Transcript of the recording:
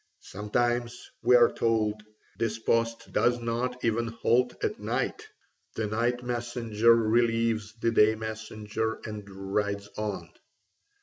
Sometimes, we are told, this post does not even halt at night: the night messenger relieves the day messenger and rides on.